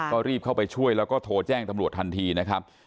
ก็รีบเข้าไปช่วยแล้วก็โทรแจ้งตำรวจทันทีนะครับ